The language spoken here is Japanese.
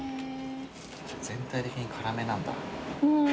全体的に辛めなんだ。